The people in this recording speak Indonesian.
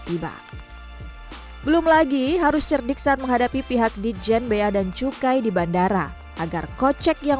tiba belum lagi harus cerdiksaan menghadapi pihak di jen bea dan cukai di bandara agar kocek yang